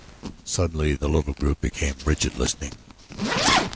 Suddenly the little group became rigid listening.